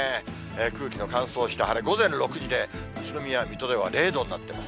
空気の乾燥した晴れ、午前６時で、宇都宮、水戸では０度になってます。